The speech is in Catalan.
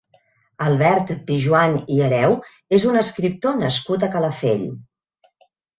Albert Pijuan i Hereu és un escriptor nascut a Calafell.